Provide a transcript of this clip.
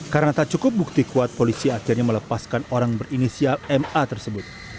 karena tak cukup bukti kuat polisi akhirnya melepaskan orang berinisial ma tersebut